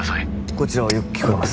こちらはよく聞こえます